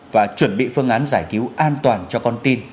và chuẩn bị phương án giải cứu an toàn cho con tin